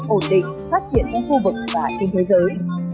ổn định phát triển trong khu vực và trên thế giới